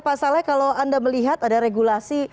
pak saleh kalau anda melihat ada regulasi